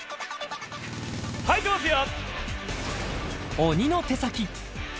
はいてますよ